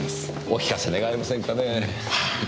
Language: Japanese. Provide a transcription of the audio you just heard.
お聞かせ願えませんかねぇ？